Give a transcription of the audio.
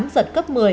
giật cấp một mươi